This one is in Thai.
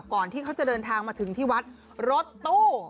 ก่อนที่เขาจะเดินทางมาถึงที่วัดรถตู้